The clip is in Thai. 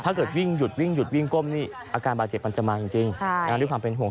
ถ้าเกิดวิ่งหยุดวิ่งหยุดวิ่งก้มนี่อาการบาดเจ็บมันจะมาจริง